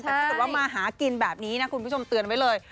แต่ถ้าเกิดว่ามาหากินแบบนี้นะคุณผู้ชมเตือนไว้เลย